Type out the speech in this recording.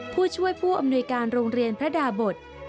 ผู้ช่วยผู้อำนวยการโรงเรียนพระดาบท